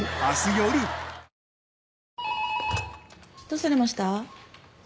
どうされました？